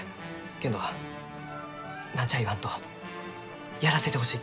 けんど何ちゃあ言わんとやらせてほしいき。